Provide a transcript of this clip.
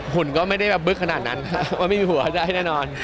หุ่นก็ไม่ได้แบบบึ๊กขนาดนั้นว่าไม่มีหัวได้แน่นอน